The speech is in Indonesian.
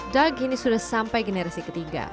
dag sudah sampai generasi ketiga